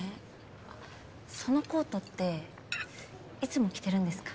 あっそのコートっていつも着てるんですか？